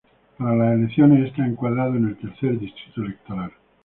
Para las elecciones está encuadrado en el Tercer Distrito Electoral.